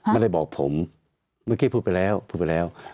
ไม่ได้บอกผมเมื่อกี้พูดไปแล้วพูดไปแล้ว